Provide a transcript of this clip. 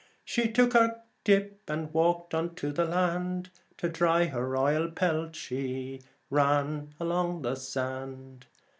She tuk her dip, then walked unto the land, To dry her royal pelt she ran along the strand.